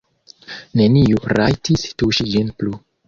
Neniu rajtis tuŝi ĝin plu.